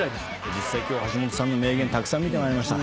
実際今日は橋本さんの名言たくさん見てまいりました。